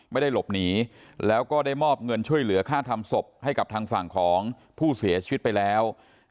ไม่ได้หลบหนีแล้วก็ได้มอบเงินช่วยเหลือค่าทำศพให้กับทางฝั่งของผู้เสียชีวิตไปแล้ว